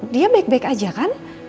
dia baik baik aja kan